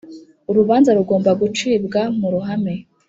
urubanza rugomba gucirwa mu ruhame,